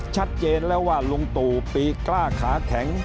ชัดเจนแล้วว่าลุงตู่ปีกล้าขาแข็ง